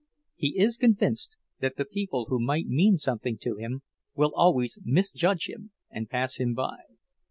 He is convinced that the people who might mean something to him will always misjudge him and pass him by.